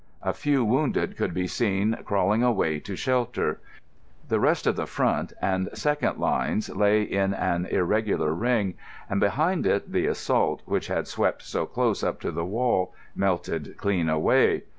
A few wounded could be seen crawling away to shelter. The rest of the front and second lines lay in an irregular ring, and behind it the assault, which had swept so close up to the wall, melted clean away.